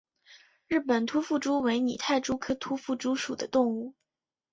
日本突腹蛛为拟态蛛科突腹蛛属的动物。